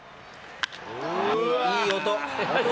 いい音。